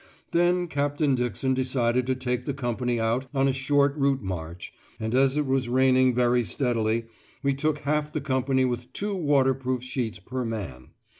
Then Captain Dixon decided to take the company out on a short route march, and as it was raining very steadily we took half the company with two waterproof sheets per man.